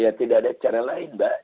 ya tidak ada cara lain mbak